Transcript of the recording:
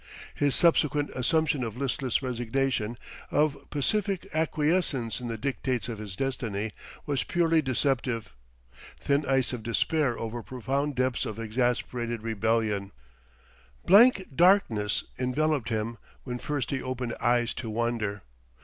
His subsequent assumption of listless resignation, of pacific acquiescence in the dictates of his destiny, was purely deceptive thin ice of despair over profound depths of exasperated rebellion. Blank darkness enveloped him when first he opened eyes to wonder.